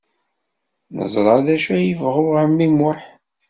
Neẓra d acu ay yebɣa ɛemmi Muḥ.